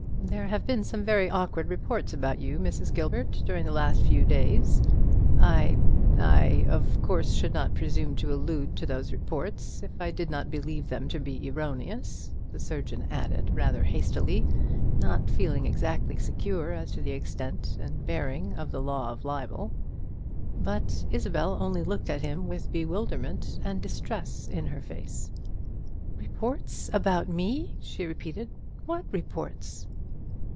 There have been some very awkward reports about you, Mrs. Gilbert, during the last few days. I I of course should not presume to allude to those reports, if I did not believe them to be erroneous," the surgeon added, rather hastily, not feeling exactly secure as to the extent and bearing of the law of libel. But Isabel only looked at him with bewilderment and distress in her face. "Reports about me!" she repeated. "What reports?"